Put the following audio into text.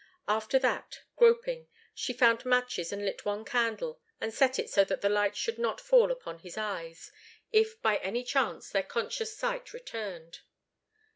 After that, groping, she found matches and lit one candle, and set it so that the light should not fall upon his eyes, if by any chance their conscious sight returned.